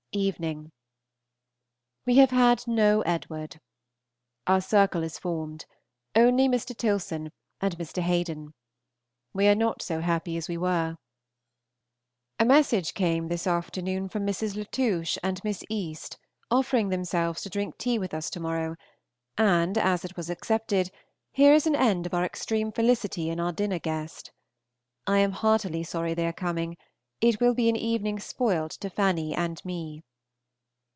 Evening. We have had no Edward. Our circle is formed, only Mr. Tilson and Mr. Haden. We are not so happy as we were. A message came this afternoon from Mrs. Latouche and Miss East, offering themselves to drink tea with us to morrow, and, as it was accepted, here is an end of our extreme felicity in our dinner guest. I am heartily sorry they are coming; it will be an evening spoilt to Fanny and me.